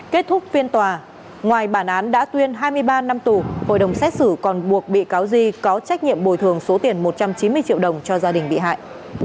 kết thúc phiên tòa ngoài bản án đã tuyên hai mươi ba năm tù hội đồng xét xử còn buộc bị cáo di có trách nhiệm bồi thường số tiền một trăm chín mươi triệu đồng cho gia đình bị hại